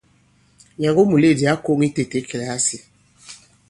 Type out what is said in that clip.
Nyàŋgo muleèdì ǎ koŋ itētē kìlasì.